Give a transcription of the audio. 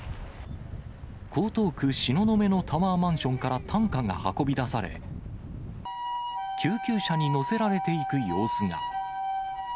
江東区東雲のタワーマンションから担架が運び出され、救急車に乗せられていく様子が。